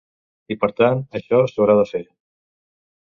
I per tant, això s’haurà de fer.